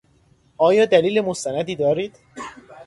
آیا دلیل مستندی دارید؟